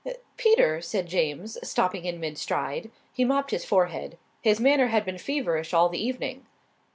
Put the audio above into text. "Peter," said James, stopping in mid stride. He mopped his forehead. His manner had been feverish all the evening.